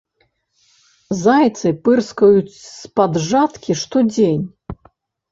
Зайцы пырскаюць з-пад жаткі штодзень.